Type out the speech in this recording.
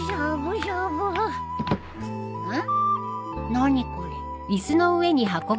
何これ。